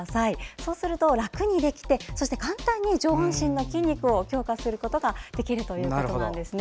そうすると、楽にできてそして簡単に上半身の筋肉を強化することができるということです。